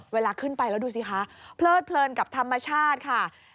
เวลาขึ้นไปแล้วดูสิคะเพลิดเพลินกับธรรมชาติค่ะ